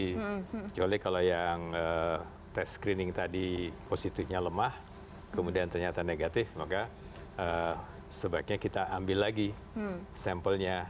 kecuali kalau yang tes screening tadi positifnya lemah kemudian ternyata negatif maka sebaiknya kita ambil lagi sampelnya